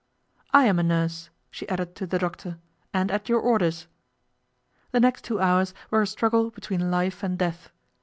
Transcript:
'I am a nurse,' she added to the doctor, 'and at your orders.' The next two hours were a struggle between life and death.